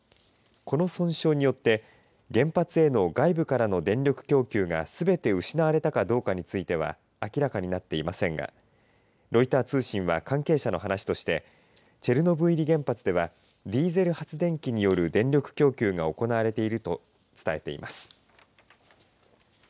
この損傷によって原発への外部からの電力供給がすべて失われたかどうかについては明らかになっていませんがロイター通信は関係者の話としてチェルノブイリ原発ではディーゼル発電機による電力供給が行われていると伝えています。